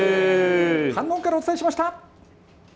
飯能からお伝えしました。